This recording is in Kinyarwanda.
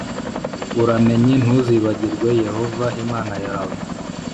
Uramenye ntuzibagirwe Yehova Imana yawe